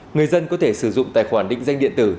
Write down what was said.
người dân có thể sử dụng tài khoản định danh điện tử